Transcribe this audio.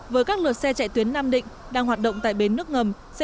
với các lượt xe chạy tuyến nam định đang hoạt động tại bến nước ngầm